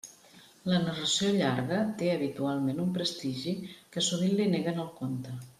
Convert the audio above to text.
La narració llarga té, habitualment, un prestigi que sovint li neguen al conte.